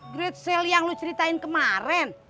gritsel yang lo ceritain kemaren